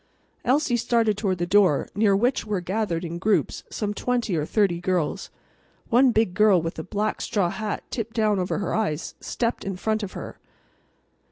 Elsie started toward the door, near which were gathered in groups some twenty or thirty girls. One big girl with a black straw hat tipped down over her eyes stepped in front of her.